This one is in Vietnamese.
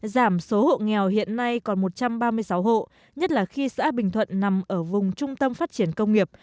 giảm số hộ nghèo hiện nay còn một trăm ba mươi sáu hộ nhất là khi xã bình thuận nằm ở vùng trung tâm phát triển công nghiệp